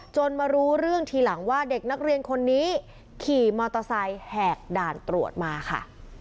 มารู้เรื่องทีหลังว่าเด็กนักเรียนคนนี้ขี่มอเตอร์ไซค์แหกด่านตรวจมาค่ะ